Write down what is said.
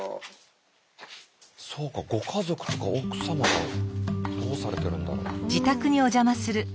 そうかご家族とか奥様どうされてるんだろう。